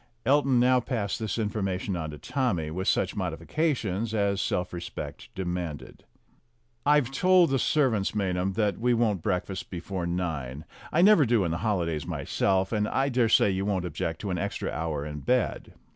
Elton now passed this information on to Tommy, with such modifications as self respect demanded. "I've told the servants, Maynham, that we won't breakfast before nine. I never do in the holidays, myself, and I dare say you won't object to an extra hour in bed."